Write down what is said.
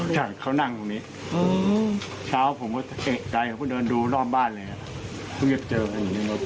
อีกครั้งเนี่ยครั้งแรก